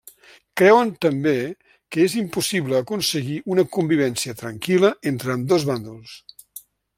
Creuen també que és impossible aconseguir una convivència tranquil·la entre ambdós bàndols.